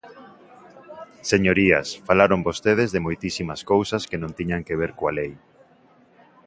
Señorías, falaron vostedes de moitísimas cousas que non tiñan que ver coa lei.